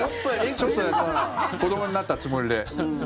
ちょっと子どもになったつもりで。